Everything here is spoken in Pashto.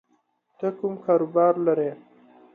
ته کوم کاروبار لری